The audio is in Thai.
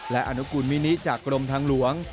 และอนุกูลมินิจากกรมทางหลวง